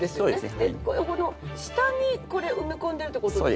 でこの下にこれ埋め込んでるって事ですか？